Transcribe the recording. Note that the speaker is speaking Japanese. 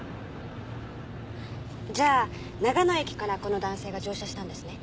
じゃあ長野駅からこの男性が乗車したんですね？